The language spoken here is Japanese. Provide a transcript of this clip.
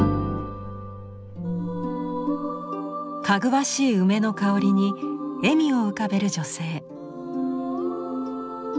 かぐわしい梅の香りに笑みを浮かべる女性。